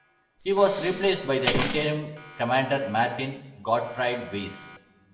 He was replaced by the interim commander Martin Gottfried Weiss.